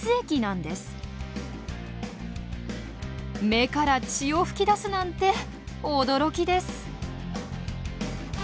目から血を噴き出すなんて驚きです。